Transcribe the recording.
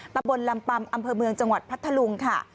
ตำบลลำปัมอำเภอเมืองจังหวัดพัทธลุงค่ะ